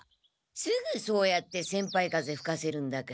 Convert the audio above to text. すぐそうやって先輩風ふかせるんだから。